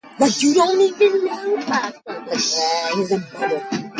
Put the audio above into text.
She is a bassist, pianist, and programmer.